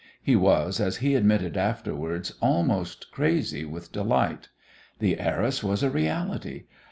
He was, as he admitted afterwards, almost crazy with delight. The heiress was a reality.